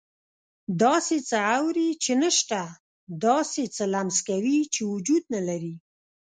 داسې څه اوري چې نه شته، داسې څه لمس کوي چې وجود نه لري.